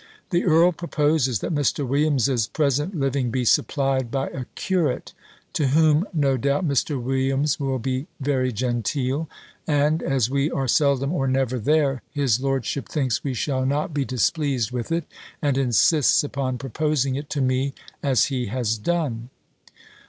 The earl proposes, that Mr. Williams's present living be supplied by a curate; to whom, no doubt, Mr. Williams will be very genteel; and, as we are seldom or never there, his lordship thinks we shall not be displeased with it, and insists upon proposing it to me; as he has done."